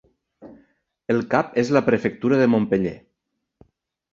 El cap és la prefectura de Montpeller.